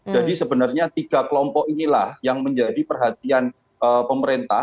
jadi sebenarnya tiga kelompok inilah yang menjadi perhatian pemerintah